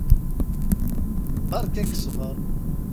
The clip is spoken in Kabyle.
Beṛka-k ssbeṛ!